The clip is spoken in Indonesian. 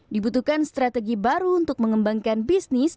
dibutuhkan strategi baru untuk mengembangkan bisnis